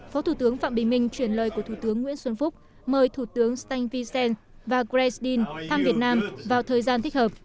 phó thủ tướng phạm bình minh truyền lời của thủ tướng nguyễn xuân phúc mời thủ tướng stank vincent và grace dean thăm việt nam vào thời gian thích hợp